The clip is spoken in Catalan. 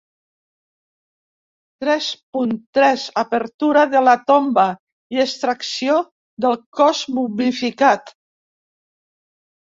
Tres punt tres Apertura de la tomba i extracció del cos momificat.